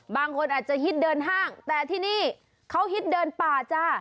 บางคนอาจจะฮิตเดินห้างแต่ที่นี่เขาฮิตเดินป่าจ้า